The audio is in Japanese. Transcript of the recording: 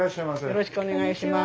よろしくお願いします。